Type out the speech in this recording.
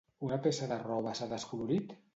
Una peça de roba s'ha descolorit?